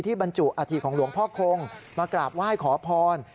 บรรจุอาธิของหลวงพ่อคงมากราบไหว้ขอพร